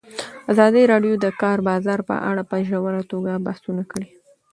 ازادي راډیو د د کار بازار په اړه په ژوره توګه بحثونه کړي.